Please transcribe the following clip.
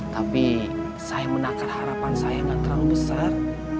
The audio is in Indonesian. tapi saya menakar harapan saya gak terlalu besar